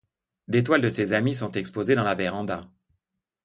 Des toiles de ses amis sont exposées dans la véranda.